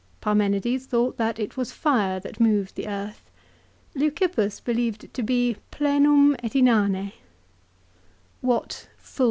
Parmenides thought that it was fire that moved the earth. Leucippus believed it to be " plenum et inane." What " full and 1 Acad.